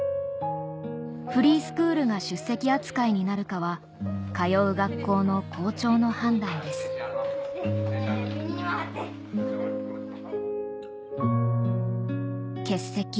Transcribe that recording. フリースクールが出席扱いになるかは通う学校の校長の判断です欠席